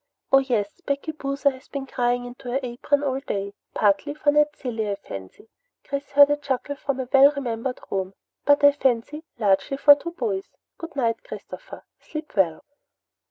Oh yes Becky Boozer has been crying into her apron all day. Partly for Ned Cilley but I fancy " Chris heard a chuckle from a well remembered room "but I fancy, largely for two boys! Good night, Christopher. Sleep well."